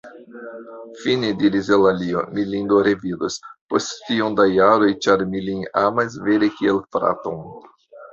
Fine, diris Eŭlalio, mi lin do revidos, post tiom da jaroj; ĉar mi lin amas vere kiel fraton.